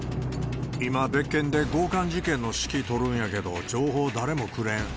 今、別件で強かん事件の指揮執るんやけど、情報誰もくれん。